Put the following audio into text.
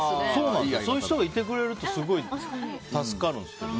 そういう人がいてくれるとすごい助かるんですけどね。